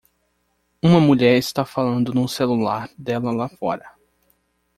Uma mulher está falando no celular dela lá fora